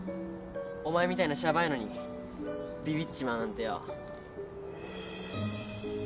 お前みたいなシャバいのにビビっちまうなんてよ。